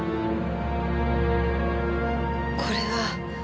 これは。